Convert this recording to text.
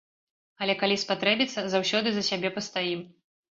Але калі спатрэбіцца, заўсёды за сябе пастаім.